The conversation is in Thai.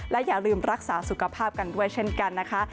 และอย่าลืมรักษาสุขภาพกันด้วยเช่นกันนะคะ